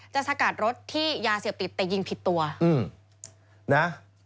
จะสกัดรถที่ยาเสียบติดแต่ยิงผิดตัวอืมนะ